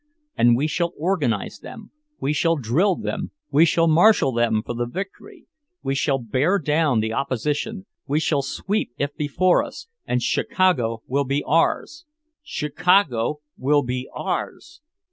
And we shall organize them, we shall drill them, we shall marshal them for the victory! We shall bear down the opposition, we shall sweep if before us—and Chicago will be ours! Chicago will be ours!